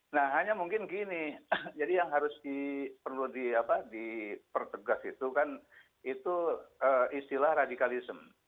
nah hanya mungkin gini jadi yang harus diperlu di apa dipertegak itu kan itu istilah radikalisme